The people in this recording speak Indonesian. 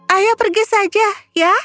ayo pergi saja ya